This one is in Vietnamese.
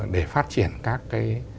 để phát triển các cái